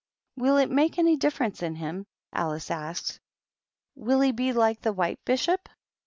"Will it make any difference in him?" Alice asked. "Will he be like the White Bishop?"